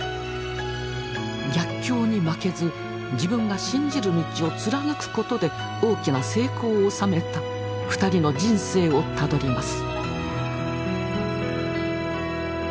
逆境に負けず自分が信じる道を貫くことで大きな成功を収めた２人の人生をたどります。